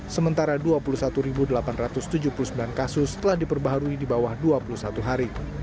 sementara dua puluh satu delapan ratus tujuh puluh sembilan kasus telah diperbaharui di bawah dua puluh satu hari